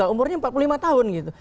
umurnya empat puluh lima tahun gitu